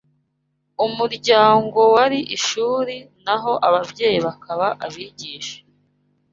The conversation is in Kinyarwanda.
Umuryango wari ishuri, naho ababyeyi bakaba abigisha